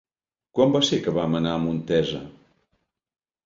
Quan va ser que vam anar a Montesa?